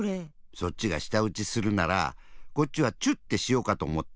そっちがしたうちするならこっちはチュッってしようかとおもって。